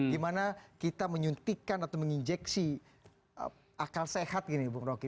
gimana kita menyuntikkan atau menginjeksi akal sehat gini bung roky